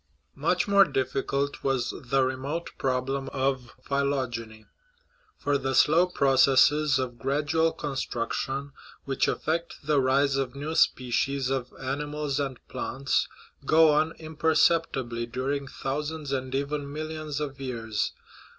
Much 7 1 THE RIDDLE OF THE UNIVERSE more difficult was the remote problem of phylogeny; for the slow processes of gradual construction, which effect the rise. of new species of animals and plants, go on imperceptibly during thousands and even millions of years.